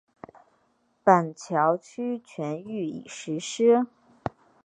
板桥区全域已实施。